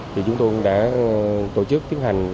thì chúng tôi đã tổ chức tiến hành